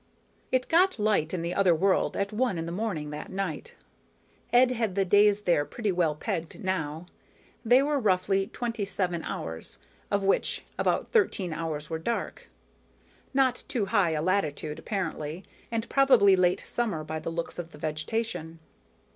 _ It got light in the other world at one in the morning that night. Ed had the days there pretty well pegged now. They were roughly twenty seven hours, of which about thirteen hours were dark. Not too high a latitude, apparently, and probably late summer by the looks of the vegetation.